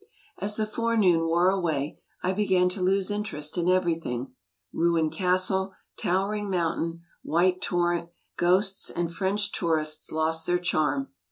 As the forenoon wore away I began to lose interest in everything. Ruined casde, towering mountain, white tor rent, ghosts, and French tourists lost their charm.